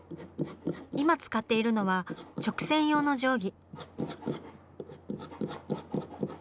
今使っているのは直線用の定規。